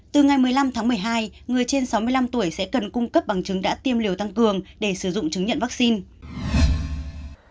từ ngày một mươi năm tháng một mươi hai người trên sáu mươi năm tuổi sẽ cần cung cấp bằng chứng đã tiêm liều tăng cường để sử dụng chứng nhận vaccine